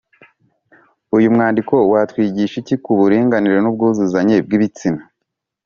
Uyu mwandiko watwigisha iki ku buringanire n’ubwuzuzanye bw’ibitsina?